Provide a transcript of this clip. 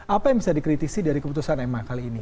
apa yang bisa dikritisi dari keputusan ma kali ini